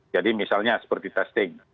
jadi misalnya seperti testing